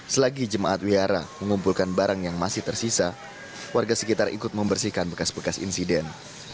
selagi jemaat wihara mengumpulkan barang yang masih tersisa warga sekitar ikut membersihkan bekas bekas insiden